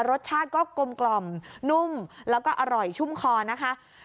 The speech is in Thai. รสชาติก็กลมนุ่มแล้วก็อร่อยชุ่มคอนะคะ